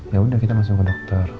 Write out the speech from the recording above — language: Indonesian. yaudah kita masuk ke dokter